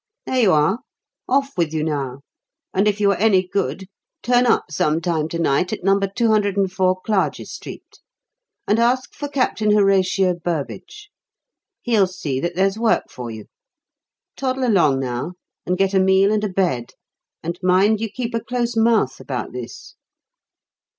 "There you are off with you now, and if you are any good, turn up some time to night at No. 204, Clarges Street, and ask for Captain Horatio Burbage. He'll see that there's work for you. Toddle along now and get a meal and a bed. And mind you keep a close mouth about this."